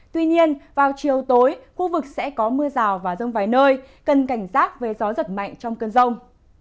tuy nhiên vào chiều tối khu vực sẽ có mưa rào và rông vài nơi cần cảnh giác với gió giật mạnh trong cơn rông